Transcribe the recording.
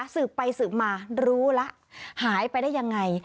สืบไปสืบมารู้แล้วหายไปได้ยังไง